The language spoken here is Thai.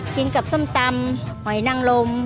กินกับส้มตำหอยนังลม